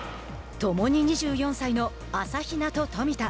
共に２４歳の朝比奈と冨田。